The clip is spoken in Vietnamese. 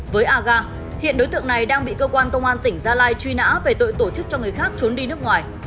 với aga hiện đối tượng này đang bị cơ quan công an tỉnh gia lai truy nã về tội tổ chức cho người khác trốn đi nước ngoài